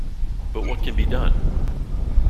But what can be done?